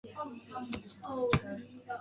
马上冲上车